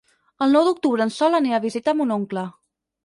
El nou d'octubre en Sol anirà a visitar mon oncle.